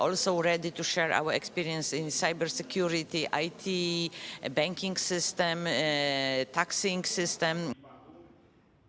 kami juga siap untuk berbagi pengalaman kami dalam sektor keamanan it sistem bank sistem uang